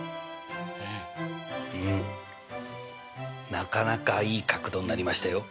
なかなかいい角度になりましたよ！